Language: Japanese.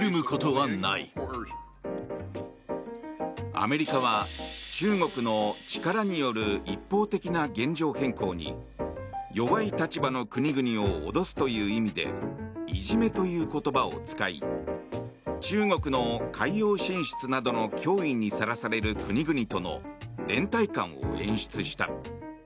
アメリカは、中国の力による一方的な現状変更に弱い立場の国々を脅すという意味でいじめという言葉を使い中国の海洋進出などの脅威にさらされる国々との連帯感を演出した。